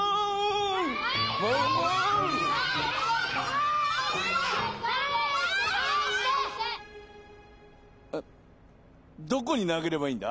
あっどこになげればいいんだ？